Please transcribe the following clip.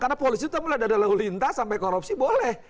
karena polisi itu mulai dari lalu lintas sampai korupsi boleh